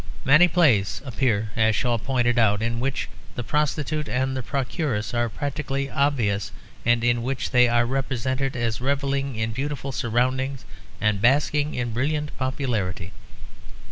Many plays appear (as Shaw pointed out) in which the prostitute and the procuress are practically obvious, and in which they are represented as revelling in beautiful surroundings and basking in brilliant popularity.